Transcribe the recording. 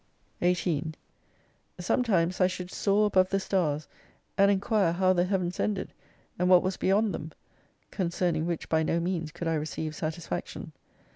18 Sometimes I should soar above the stars, and enquire how the Heavens ended, and what was beyond them ? Concerning which by no means could I receive satisfaction.